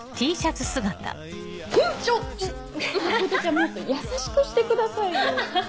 もっと優しくしてくださいよ。